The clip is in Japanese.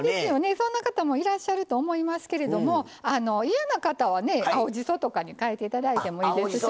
そんな方もいらっしゃると思いますけども嫌な方は青じそとかに代えて頂いてもいいです。